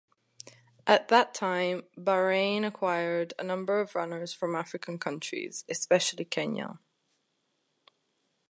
At that time Bahrain acquired a number of runners from African countries, especially Kenya.